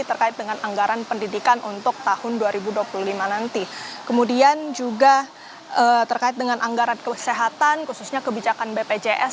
terkait dengan anggaran pendidikan untuk tahun dua ribu dua puluh lima nanti kemudian juga terkait dengan anggaran kesehatan khususnya kebijakan bpjs